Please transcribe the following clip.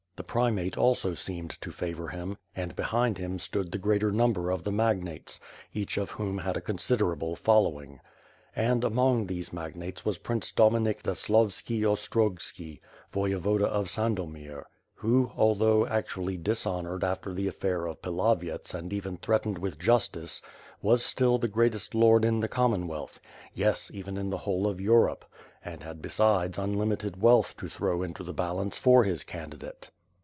The Primate also seemed to favor him, and behind him stoou the greater number of the magnates, each of whom had a considerable following. And, among these magnates was Prince Dom inik Zaslovski Ostrogski, Voyevoda of Sandomier, who, al though actually dishonored after the affair of Pilavyets and even threatened with justice, was still the greatest Lord in the Commonwealth; yes, even in the whole of Europe; and had besides unlimited wealth to throw into the balance for his candidate.